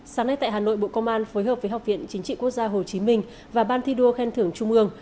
sáng nay tại hà nội bộ công an phối hợp với học viện chính trị quốc gia hồ chí minh và ban thi đua khen thưởng trung ương